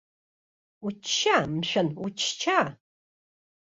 Учча, мшәан, учча!